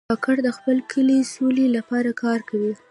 کاکړ د خپل کلي د سولې لپاره کار کوي.